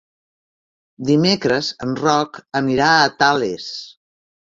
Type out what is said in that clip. Dimecres en Roc anirà a Tales.